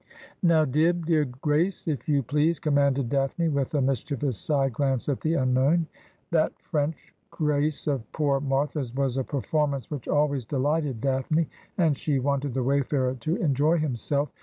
' Now, Dibb dear, grace, if you please,' commanded Daphne, with a mischievous side glance at the unknown. That French grace of poor Martha's was a performance which always delighted Daphne, and she wanted the wayfarer to enjoy himself.